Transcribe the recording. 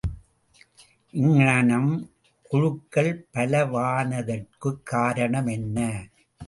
இங்ஙனம் குழுக்கள் பலவானதற்குக் காரணமென்ன?